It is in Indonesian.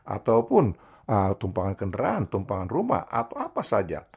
ataupun tumpangan kenderaan tumpangan rumah atau apa saja